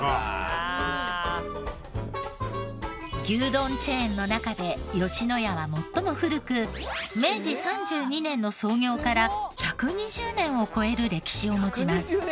牛丼チェーンの中で野家は最も古く明治３２年の創業から１２０年を超える歴史を持ちます。